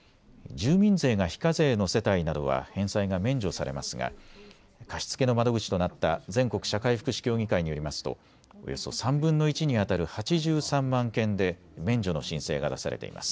住民税が非課税の世帯などは返済が免除されますが貸し付けの窓口となった全国社会福祉協議会によりますとおよそ３分の１に当たる８３万件で免除の申請が出されています。